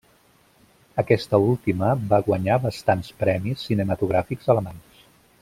Aquesta última va guanyar bastants premis cinematogràfics alemanys.